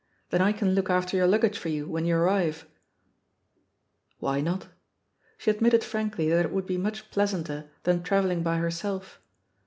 — ^then I can look after your luggage for you when you arrive." Why not? She admitted frankly that it would be much pleasanter than travelling by herself.